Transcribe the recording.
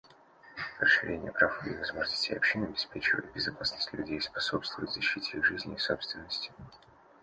Расширение прав и возможностей общин обеспечивает безопасность людей, способствует защите их жизни и собственности.